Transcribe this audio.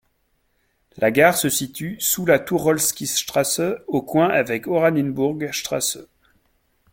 La gare se situe sous la Tucholskystraße au coin avec Oranienburger Straße.